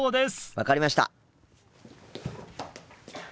分かりました！